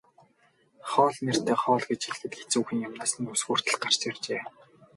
Хоол нэртэй хоол гэж хэлэхэд хэцүүхэн юмнаас нь үс хүртэл гарч иржээ.